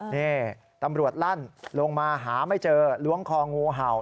นี่ตำรวจลั่นลงมาหาไม่เจอล้วงคองูเห่า